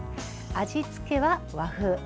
味付けは和風。